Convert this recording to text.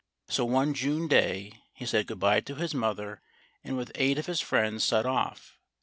So one June day, he said good bye to his mother, and with eight of his friends set off.